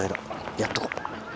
やっとこう。